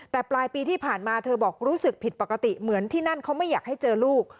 แต่ปลายปีที่ผ่านมาเธอบอกรู้สึกผิดปกติเหมือนที่นั่นเขาไม่อยากให้เจอลูก